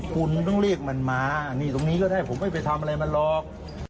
คุณต้องเรียกมันมานี่ตรงนี้ก็ได้ผมไม่ไปทำอะไรมันหรอก